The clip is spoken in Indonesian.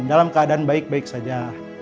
dalam keadaan baik baik saja